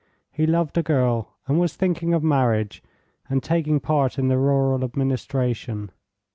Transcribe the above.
He loved a girl and was thinking of marriage, and taking part in the rural administration.